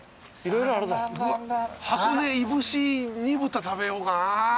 いぶし煮豚食べようかな。